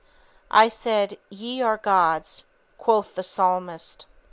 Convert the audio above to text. "I said, ye are gods," quoth the Psalmist.